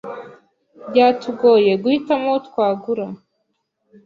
Byatugoye guhitamo uwo twagura.